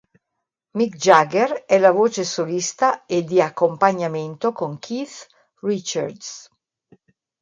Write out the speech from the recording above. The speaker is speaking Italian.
Mick Jagger è la voce solista e di accompagnamento con Keith Richards.